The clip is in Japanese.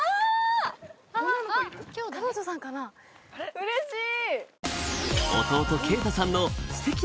うれしい！